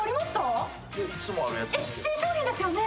新商品ですよね？